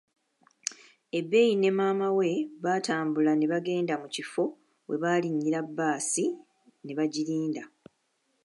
Ebei ne maama we baatambula ne bagenda mu kifo we balinyira bbaasi ne bagirinda.